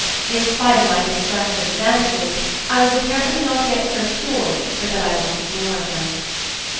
In spite of my distrust of "advantages" I was apparently not yet so cured but that I wanted more of them.